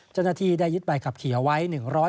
จันที่ได้ยึดใบขับขี่เอาไว้